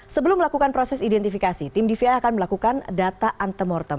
sebelum melakukan proses identifikasi tim dvi akan melakukan data antemortem